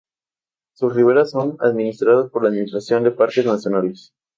Sus riberas son administradas por la Administración de Parques Nacionales.